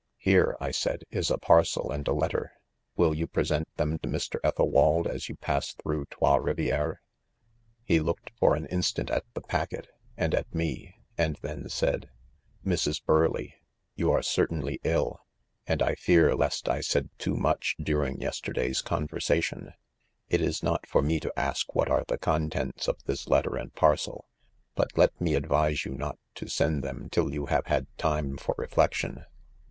Here, I said, is a parcel and a letter. Will you present them to Mjv Ethelwald as you pass through Trois Rivieres ? He looked for an instant at the packet and at me, and then said, "'Mrs. Burleigh, you are certainly ill, and I fear lest I said too much during yesterday's conversation It is not for me to ask what are the contents of this ' letter and parcel i hut let me advise you not to send them till you have had time for reflec tion."